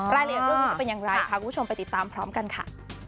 รายละเอียดเรื่องนี้จะเป็นอย่างไรพาคุณผู้ชมไปติดตามพร้อมกันค่ะ